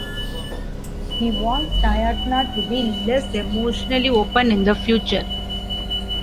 He warns Tatyana to be less emotionally open in the future.